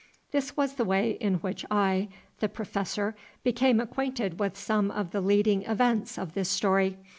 This was the way in which I, the Professor, became acquainted with some of the leading events of this story.